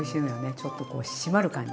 ちょっとこう締まる感じ